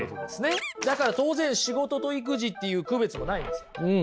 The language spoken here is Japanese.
だから当然仕事と育児っていう区別もないんです。